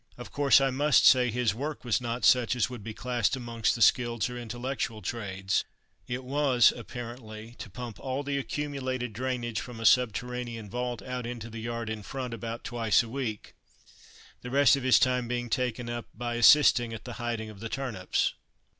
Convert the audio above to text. Of course, I must say his work was not such as would be classed amongst the skilled or intellectual trades; it was, apparently, to pump all the accumulated drainage from a subterranean vault out into the yard in front, about twice a week, the rest of his time being taken up by assisting at the hiding of the turnips.